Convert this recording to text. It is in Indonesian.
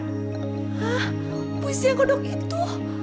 hah puisi yang kodok itu